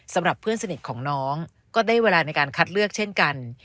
สำหรับเพื่อนสนิทของน้องก็ได้เวลาในการคัดเลือกเช่นกัน